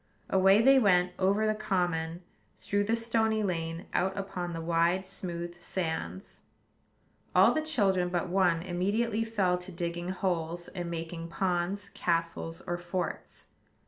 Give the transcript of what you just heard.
Away they went, over the common, through the stony lane, out upon the wide, smooth sands. All the children but one immediately fell to digging holes, and making ponds, castles, or forts.